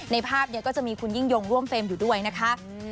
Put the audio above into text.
ในภาพก็มีคุณยิ่งยงร่วมเฟรมอยู่ด้วยนะครับ